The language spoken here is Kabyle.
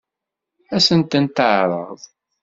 Ad sent-ten-teɛṛeḍ?